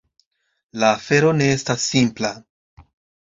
La afero ne estas simpla.